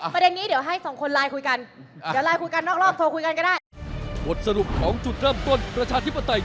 บางทีพฤติการพฤติกรรมตัวเองเนี่ย